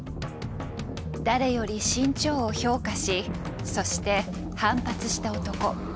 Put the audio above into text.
誰より志ん朝を評価しそして反発した男。